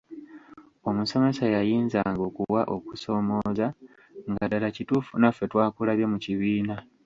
Omusomesa yayinzanga okuwa okusoomooza nga ddala kituufu naffe twakulabye mu kibiina.